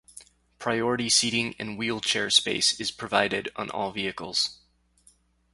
Priority seating and wheelchair space is provided on all vehicles.